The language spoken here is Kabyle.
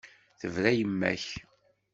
Tebra yemma-k.